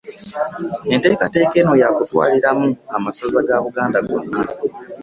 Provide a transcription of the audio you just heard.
Enteekateeka eno ya kutwaliramu amasaza ga Buganda gonna.